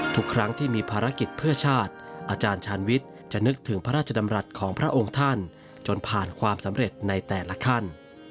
ทุกครั้งที่มีภารกิจเพื่อชาติอาจารย์ชาญวิทย์จะนึกถึงพระราชดำรัฐของพระองค์ท่านจนผ่านความสำเร็จในแต่ละขั้น